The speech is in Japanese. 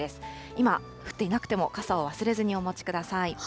今、降っていなくても、傘を忘れずにお持ちください。